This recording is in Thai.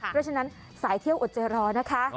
เพราะฉะนั้นสายเที่ยวอดใจรอนะคะ